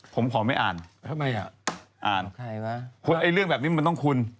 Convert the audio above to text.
ผมขอไม่อ่านคุณไอ้เรื่องแบบนี้มันต้องคุณ